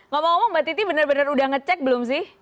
ngomong ngomong mbak titi benar benar udah ngecek belum sih